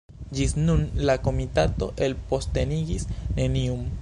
Ĝis nun la komitato elpostenigis neniun.